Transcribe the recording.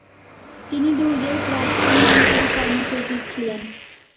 তিনি দূর্গের প্রাক্তন মালিকের কর্মসচিব ছিলেন ।